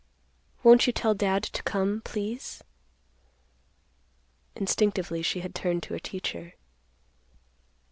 Won't you tell Dad to come, please?" Instinctively she had turned to her teacher.